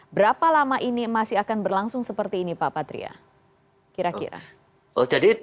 berapa lama ini masih akan berlangsung seperti ini pak patria kira kira